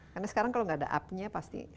karena sekarang kalau tidak ada upnya pasti